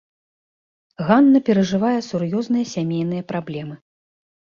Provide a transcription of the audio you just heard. Ганна перажывае сур'ёзныя сямейныя праблемы.